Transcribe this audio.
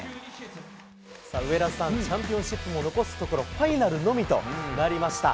さあ、上田さん、チャンピオンシップも残すところファイナルのみとなりました。